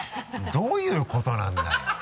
どういうことなんだよ。